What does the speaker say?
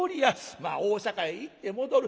まあ大坂へ行って戻る。